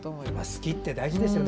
好きって大事ですよね。